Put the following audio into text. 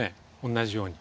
同じように。